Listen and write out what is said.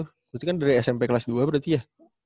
berarti kan dari smp kelas dua berarti ya